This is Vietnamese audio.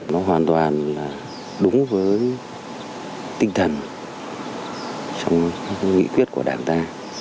nó hoàn toàn là đúng với tinh thần trong các nghị quyết của đảng ta